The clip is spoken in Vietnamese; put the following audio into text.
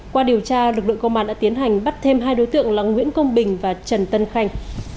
qua điều tra lực lượng công an đã tiến hành bắt thêm hai đối tượng là nguyễn công bình và trần tân khanh